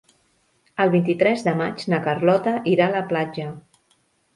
El vint-i-tres de maig na Carlota irà a la platja.